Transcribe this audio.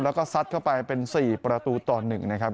แล้วก็ซัดเข้าไปเป็น๔ประตูต่อ๑นะครับ